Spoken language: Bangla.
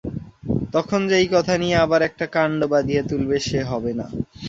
তখন যে এই কথা নিয়ে আবার একটা কাণ্ড বাধিয়ে তুলবে সে হবে না।